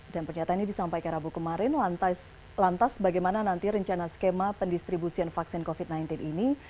dan pernyataannya disampaikan rabu kemarin lantas bagaimana nanti rencana skema pendistribusian vaksin covid sembilan belas ini